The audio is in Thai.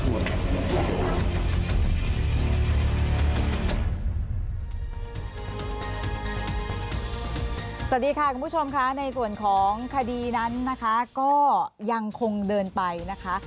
สวัสดีค่ะคุณผู้ชมค่ะในส่วนของคดีนั้นนะคะก็ยังคงเดินไปนะคะ